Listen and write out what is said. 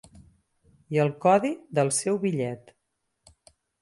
I el codi del seu bitllet.